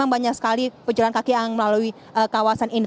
banyak sekali pejalan kaki yang melalui kawasan ini